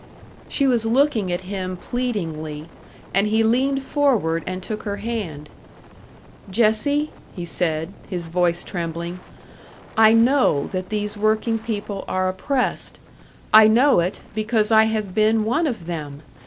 She was looking at him pleadingly; and he leaned forward and took her hand. "Jessie," he said, his voice trembling, "I know that these working people are oppressed; I know it, because I have been one of them!